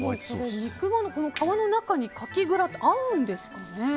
肉まんの皮の中にカキグラタンって合うんですかね。